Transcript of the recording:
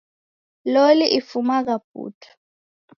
Loli ifumagha putu.